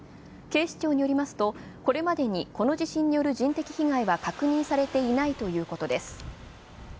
警視庁によりますとこれまでにこの地震による人的被害は確認されていないということです。